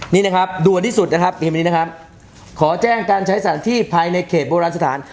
นี่นะครับด่วนที่สุดนะครับเกมนี้นะครับขอแจ้งการใช้สถานที่ภายในเขตโบราณสถาน